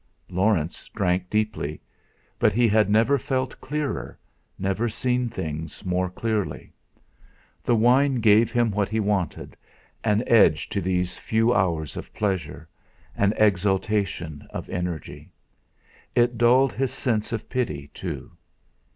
Laurence drank deeply; but he had never felt clearer, never seen things more clearly. The wine gave him what he wanted, an edge to these few hours of pleasure, an exaltation of energy. It dulled his sense of pity, too.